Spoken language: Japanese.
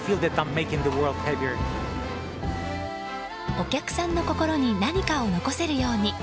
お客さんの心に何かを残せるように。